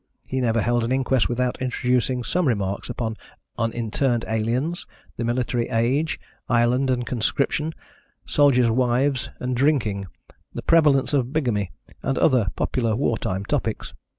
He never held an inquest without introducing some remarks upon uninterned aliens, the military age, Ireland and conscription, soldiers' wives and drinking, the prevalence of bigamy, and other popular war time topics.